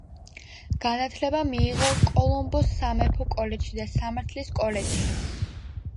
განათლება მიიღო კოლომბოს სამეფო კოლეჯში და სამართლის კოლეჯში.